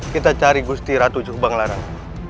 kita cari gusti ratu jubang larang